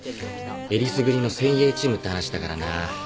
えりすぐりの精鋭チームって話だからな。